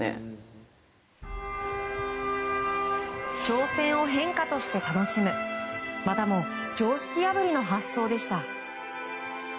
挑戦を変化として楽しむまたも常識破りの発想でした。